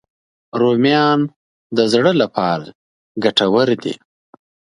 رومیان د زړه لپاره ګټور دي